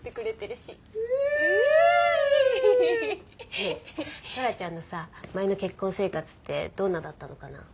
ねえトラちゃんのさ前の結婚生活ってどんなだったのかな？